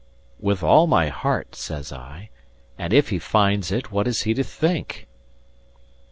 "With all my heart," says I; "and if he finds it, what is he to think?"